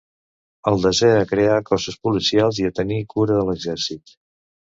El desè a crear cossos policials i a tenir cura de l'exèrcit.